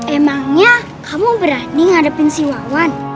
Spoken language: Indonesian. emangnya kamu berani ngadepin si wawan